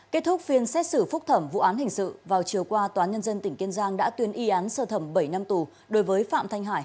kết thúc phiên xét xử phúc thẩm vụ án hình sự vào chiều qua tòa nhân dân tỉnh kiên giang đã tuyên y án sơ thẩm bảy năm tù đối với phạm thanh hải